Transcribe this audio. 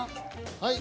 はい。